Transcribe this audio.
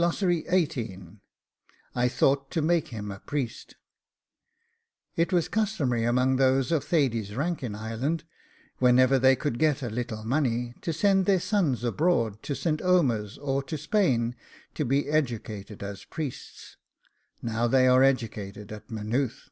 I THOUGHT TO MAKE HIM A PRIEST. It was customary amongst those of Thady's rank in Ireland, whenever they could get a little money, to send their sons abroad to St. Omer's, or to Spain, to be educated as priests. Now they are educated at Maynooth.